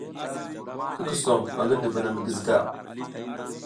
I kusom ba ngi dubuna mi giziga.